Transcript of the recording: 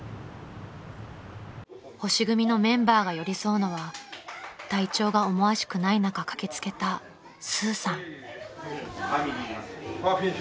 ［星組のメンバーが寄り添うのは体調が思わしくない中駆け付けたスーさん］